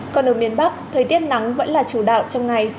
còn ở miền bắc thời tiết nắng vẫn là chủ đạo trong ngày